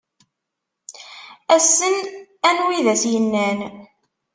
Ass-n anwi i d as-yennan.